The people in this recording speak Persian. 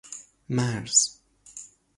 مرز